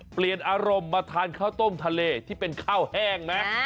เปลี่ยนอารมณ์มาทานข้าวต้มทะเลที่เป็นข้าวแห้งไหม